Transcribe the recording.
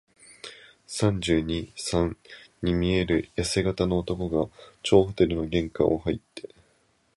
三十二、三に見えるやせ型の男が、張ホテルの玄関をはいって、